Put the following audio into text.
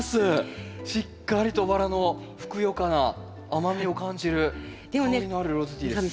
しっかりとバラのふくよかな甘みを感じる香りのあるローズティーです。